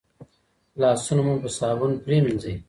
لاسونه مو په صابون پریمنځئ.